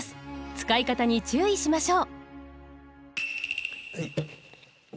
使い方に注意しましょう。